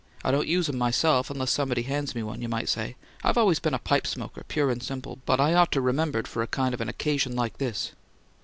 I don't use 'em myself unless somebody hands me one, you might say. I've always been a pipe smoker, pure and simple, but I ought to remembered for kind of an occasion like this."